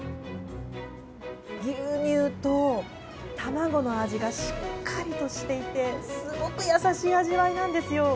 牛乳と卵の味がしっかりとしていてすごく優しい味わいなんですよ。